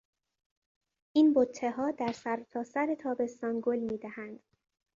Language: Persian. این بتهها در سرتاسر تابستان گل میدهند.